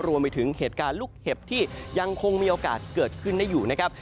รวมไปถึงเหตุการณ์ลูกเห็บที่ยังคงมีโอกาสเกิดขึ้นได้อยู่นะครับ